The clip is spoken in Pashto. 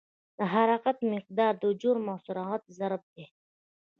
د حرکت مقدار د جرم او سرعت ضرب دی.